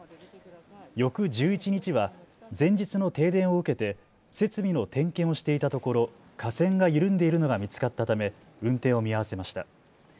翌１１日は前日の停電を受けて設備の点検をしていたところ架線が緩んでいるのが見つかったため運転を見合わせました。